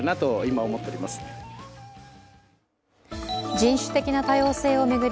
人種的な多様性を巡り